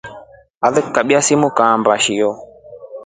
Ale mkabya simu kambia nshio.